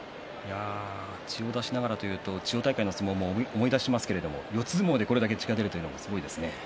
血を出しながらというと千代大海の相撲を思い出しますが、四つ相撲でこれだけ血が出るのは珍しいですね。